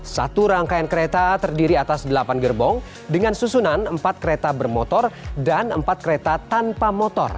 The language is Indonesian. satu rangkaian kereta terdiri atas delapan gerbong dengan susunan empat kereta bermotor dan empat kereta tanpa motor